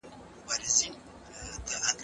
که پته ولیکو نو کور نه ورکيږي.